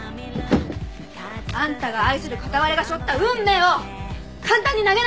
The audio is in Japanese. あんたが愛する片割れが背負った運命を簡単に投げないで！